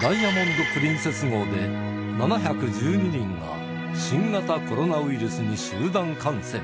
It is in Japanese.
ダイヤモンド・プリンセス号で、７１２人が新型コロナウイルスに集団感染。